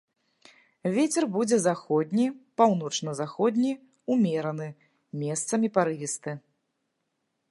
Вецер будзе заходні, паўночна-заходні, умераны, месцамі парывісты.